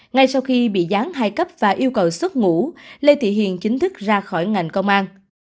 ngay sau khi bị gián hai cấp và yêu cầu xuất ngũ lê thị hiền chính thức ra khỏi ngành công an